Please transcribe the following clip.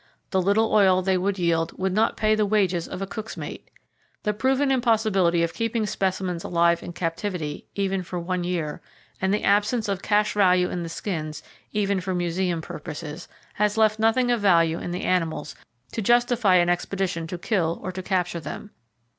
The little oil they would yield would not pay the wages of cook's mate. The proven impossibility of keeping specimens alive in captivity, even for one year, and the absence of cash value in the skins, even for museum purposes, has left nothing of value in the animals to justify an expedition to kill or to capture them.